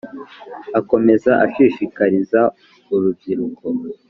akomeza ashishikariza uru rubyiruko